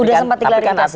udah sempat dilarangin kasih